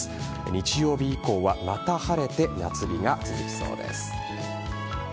日曜日以降はまた晴れて夏日が続きそうです。